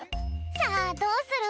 さあどうする？